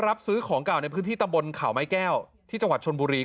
รับซื้อของเก่าในพื้นที่ตำบลข่าวไม้แก้วที่จังหวัดชนบุรี